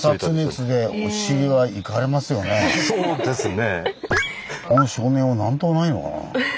そうですね。